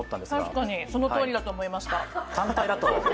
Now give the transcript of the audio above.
確かに、そのとおりだと思いました。